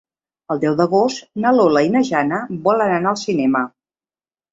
El deu d'agost na Lola i na Jana volen anar al cinema.